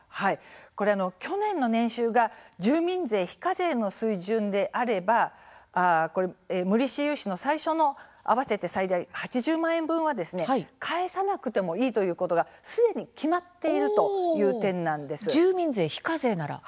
去年の年収が住民税非課税の水準であれば無利子融資の最初の合わせて最大８０万円分は返さなくてもいいということがすでに決まっている住民税非課税なら。